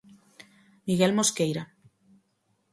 Miguel Mosqueira.